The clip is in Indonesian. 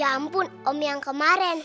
ya ampun om yang kemarin